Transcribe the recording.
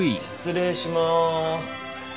失礼します。